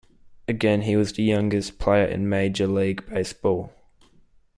Again, he was the youngest player in Major League Baseball.